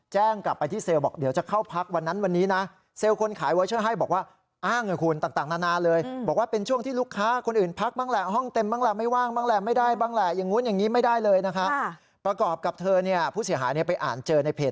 แจ้งกลับไปที่เซลล์บอกเดี๋ยวจะเข้าพักวันนั้นวันนี้นะ